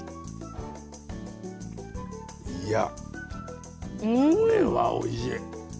いやこれはおいしい。